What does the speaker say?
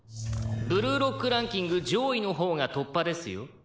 「ブルーロックランキング上位のほうが突破ですよ」